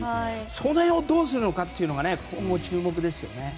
その辺をどうするのかというのが注目ですね。